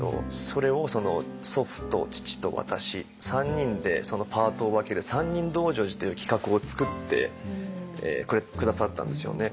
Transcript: それを祖父と父と私３人でパートを分ける「三人道成寺」という企画を作って下さったんですよね。